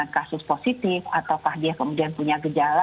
kasus positif ataukah dia kemudian punya gejala